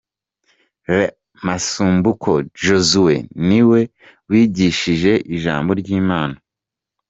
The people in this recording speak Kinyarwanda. Rev Masumbuko Josue ni we wigishije ijambo ry'Imana.